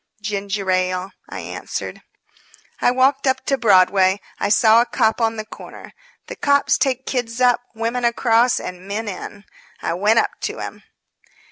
"Ginger ale," I answered. I walked up to Broadway. I saw a cop on the corner. The cops take kids up, women across, and men in. I went up to him.